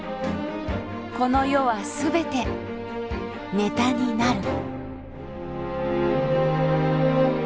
この世は全てネタになる。